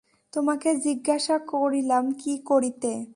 তোমাকে জিজ্ঞাসা করিলাম কী করিতে।